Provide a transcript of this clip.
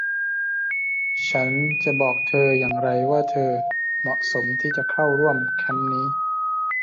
ฉันจะบอกเธออย่างไรว่าเธอเหมาะสมที่จะเข้าร่วมแคมป์นี้ ?